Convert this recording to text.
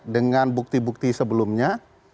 dengan bukti bukti sebelumnya